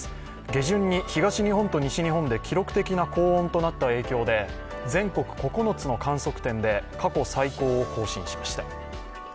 下旬に東日本と西日本で記録的な高温となった影響で、全国９つの観測点で過去最高を更新しました。